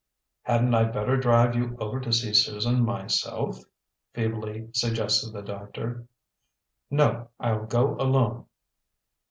"Hadn't I better drive you over to see Susan myself?" feebly suggested the doctor. "No, I'll go alone."